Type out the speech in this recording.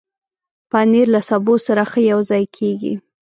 پنېر له سبو سره ښه یوځای کېږي.